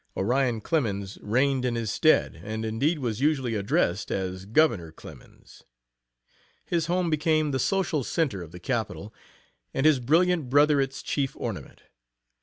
Orion Clemens reigned in his stead, and indeed was usually addressed as "Governor" Clemens. His home became the social center of the capital, and his brilliant brother its chief ornament.